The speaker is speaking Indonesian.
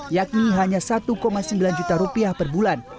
yakni hanya satu sembilan juta rupiah per bulan